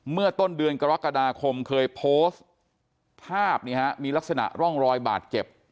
เมื่อต้นเดือนกรกฎาคมเคยโพสต์ภาพมีลักษณะร่องรอยบาดเจ็บ